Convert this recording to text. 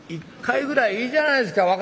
「１回ぐらいいいじゃないですか。